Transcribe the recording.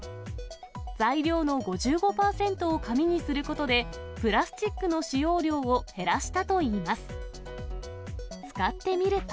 材料の５５％を紙にすることで、プラスチックの使用量を減らしたといいます。